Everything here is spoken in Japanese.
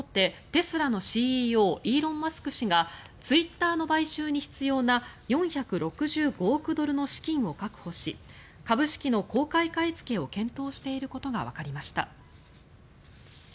テスラのＣＥＯイーロン・マスク氏がツイッターの買収に必要な４６５億ドルの資金を確保し株式の公開買いつけを検討していることがわかりました。